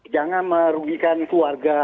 jangan merugikan keluarga